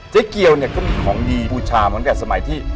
เจ๊เกียวเนี่ยก็มีของดีบูชาเหมือนกับสมัยที่